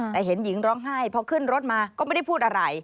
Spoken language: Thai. แต่เห็นหญิงร้องไห้พอขึ้นรถมาก็ไม่ได้พูดอะไร